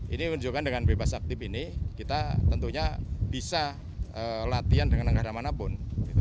ini menunjukkan dengan bebas aktif ini kita tentunya bisa latihan dengan negara manapun